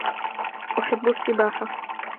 أحب السباحة.